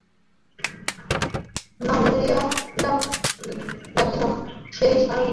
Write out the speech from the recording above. নাম ধরিয়া ডাকিলাম, সে সাড়া দিল না।